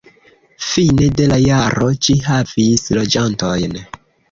Fine de la jaro ĝi havis loĝantojn.